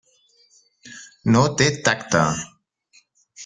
No té tacte.